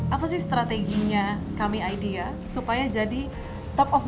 apa sih strateginya kami idea supaya jadi top of